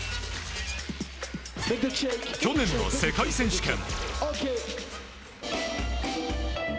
去年の世界選手権。